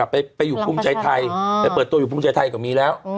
ไปอยู่ภูมิใจไทยไปเปิดตัวอยู่ภูมิใจไทยก็มีแล้ว